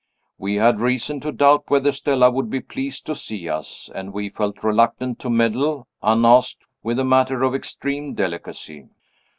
"We had reason to doubt whether Stella would be pleased to see us, and we felt reluctant to meddle, unasked, with a matter of extreme delicacy.